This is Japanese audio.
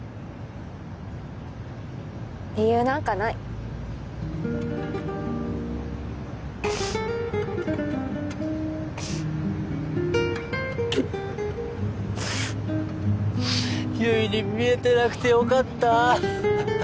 理由なんかない悠依に見えてなくてよかった